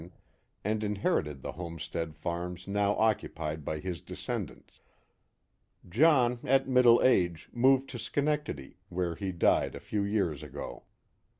and in herited the homestead farms now occupied by his descendants. John, at middle age, moved to Schenectady, where he died a few years ago.